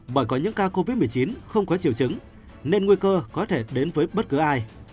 bởi có những ca covid một mươi chín không có triệu chứng nên nguy cơ có thể đến với bất cứ ai